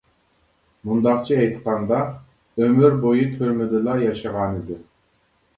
مۇنداقچە ئېيتقاندا، ئۆمۈر بويى تۈرمىدىلا ياشىغانىدى.